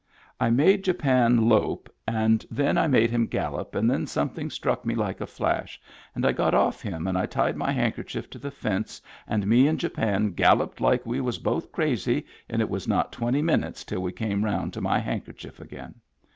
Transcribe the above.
I made Japan lope and then Digitized by Google SPIT CAT CREEK 79 I made him gallup and then something struck me like a flash and I got off him and I tied my hanker chef to the fenc^ and me and Japan gallupped like we was both crazy and it was not twenty minnits till we came round to my hankerchef again.